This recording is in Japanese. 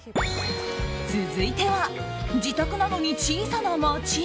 続いては、自宅なのに小さな街？